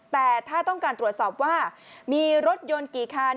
แต่ถ้าต้องการตรวจสอบว่ามีรถยนต์กี่คัน